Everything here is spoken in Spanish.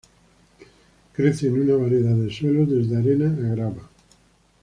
Crece en una variedad de suelos desde arena a grava.